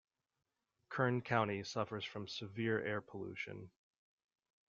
Kern County suffers from severe air pollution.